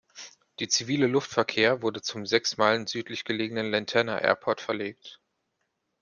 Die zivile Luftverkehr wurde zum sechs Meilen südlich gelegenen Lantana Airport verlegt.